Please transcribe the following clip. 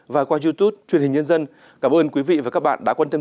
và qua youtube truyền hình nhân dân